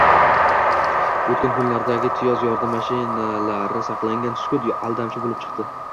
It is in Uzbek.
O`tgan kunlardagi Tyoz yordam mashinalari saqlagan sukut aldamchi bo`lib chiqdi